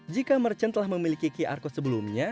jika merchant telah memiliki qr code sebelumnya